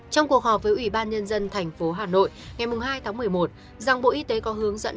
trong cuộc họp với ủy ban nhân dân tp hà nội ngày hai một mươi một rằng bộ y tế có hướng dẫn